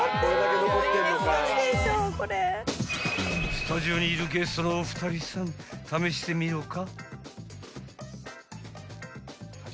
［スタジオにいるゲストのお二人さん試してみようか］